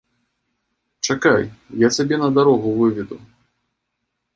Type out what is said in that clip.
Чакай, я цябе на дарогу выведу.